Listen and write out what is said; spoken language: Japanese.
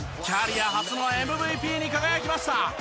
キャリア初のＭＶＰに輝きました。